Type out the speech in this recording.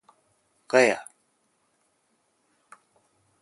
ガヤ